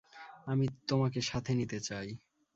আমি তোমাকে সাথে নিতে চাই।